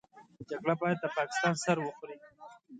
جګړه بايد د پاکستان سر وخوري.